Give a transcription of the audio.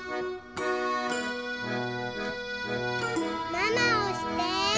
ママ押して。